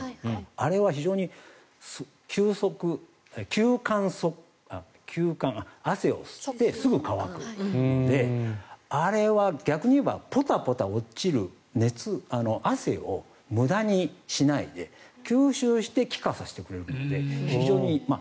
あれは非常に吸汗汗を吸ってすぐ乾くのであれは逆に言えばポタポタ落ちる汗を無駄にしないで吸収して気化させてくれるので非常にいい。